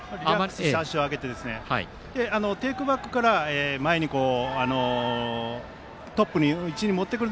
リラックスして足を上げてテイクバックから前に、内に持ってくる。